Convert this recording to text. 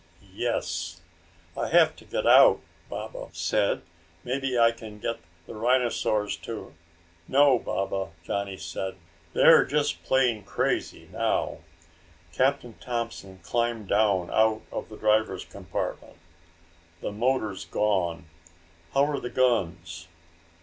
"Yes." "I have to get out," Baba said. "Maybe I can get the rhinosaurs to...." "No, Baba," Johnny said. "They're just plain crazy now." Captain Thompson climbed down out of the driver's compartment. "The motor's gone. How are the guns?"